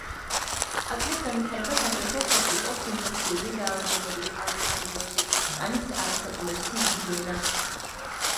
აკნეს განვითარებას აგრეთვე ხელს უწყობს ინფექციური დაავადებები, ავიტამინოზი, კანის არასაკმარისი ჰიგიენა.